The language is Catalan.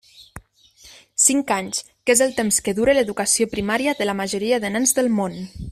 Cinc anys, que és el temps que dura l'educació primària de la majoria de nens del món.